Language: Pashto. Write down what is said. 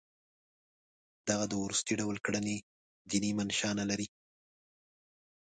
دغه د وروستي ډول کړنې دیني منشأ نه لري.